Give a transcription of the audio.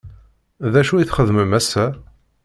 D acu i txedmem ass-a?